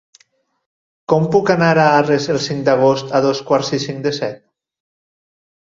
Com puc anar a Arres el cinc d'agost a dos quarts i cinc de set?